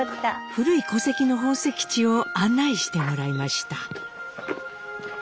古い戸籍の本籍地を案内してもらいました。